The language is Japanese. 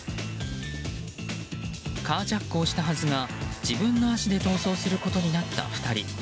カージャックをしたはずが自分の足で逃走することになった２人。